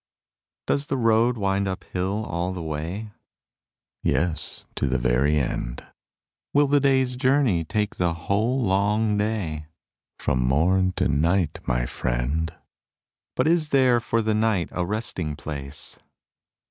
Does the road wind up hill all the way? Yes, to the very end. Will the day's journey take the whole long day? From morn to night, my friend. But is there for the night a resting place?